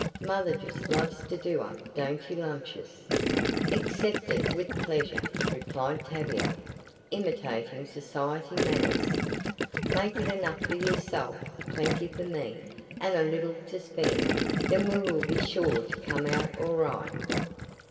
"Mother just loves to do up dainty lunches." "Accepted with pleasure," replied Tavia, imitating society manners. "Make it enough for yourself, plenty for me, and a little to spare. Then we will be sure to come out all right."